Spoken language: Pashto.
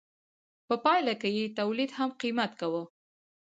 په پایله کې یې تولید هم قیمت کاوه.